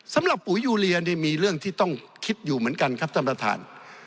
ปุ๋ยยูเรียนี่มีเรื่องที่ต้องคิดอยู่เหมือนกันครับท่านประธาน